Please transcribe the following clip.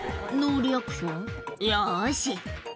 「よし」